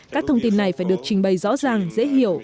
các thông tin này phải được trình bày rõ ràng dễ hiểu